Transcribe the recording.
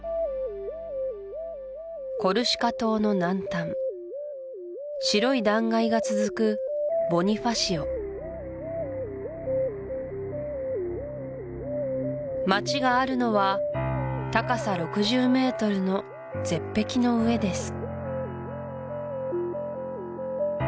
コルシカ島の南端白い断崖が続くボニファシオ町があるのは高さ６０ｍの絶壁の上です